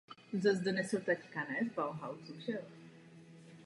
Na podezdívce z říčního kamene stojí jedlové stěny.